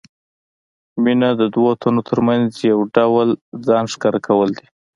مینه د دوو تنو ترمنځ یو ډول ځان ښکاره کول دي.